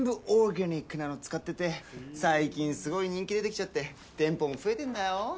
オーガニックなの使ってて最近すごい人気出てきちゃって店舗も増えてんだよ。